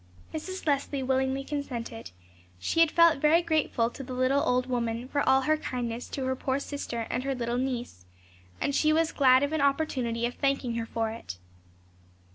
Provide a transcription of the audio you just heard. Mrs. Leslie willingly consented; she had felt very grateful to the little old woman for all her kindness to her poor sister and her little niece, and she was glad of an opportunity of thanking her for it.